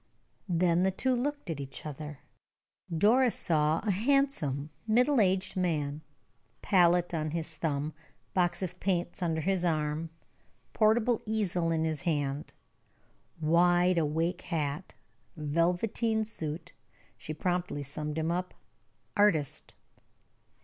Then the two looked at each other. Doris saw a handsome, middle aged man, palette on his thumb, box of paints under his arm, portable easel in his hand; wide awake hat, velveteen suit. She promptly summed him up "artist."